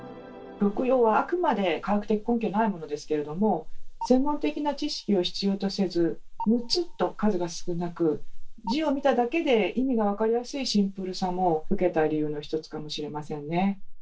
六曜はあくまで科学的根拠はないものですけれども専門的な知識を必要とせず６つと数が少なく字を見ただけで意味が分かりやすいシンプルさも受けた理由の一つかもしれませんね。